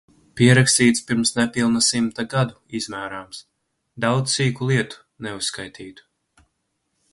Pierakstīts pirms nepilna simta gadu, izmērāms. Daudz sīku lietu, neuzskaitītu.